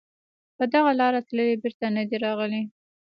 په دغه لاره تللي بېرته نه دي راغلي